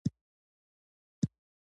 د ریګستان ولسوالۍ ریګي ده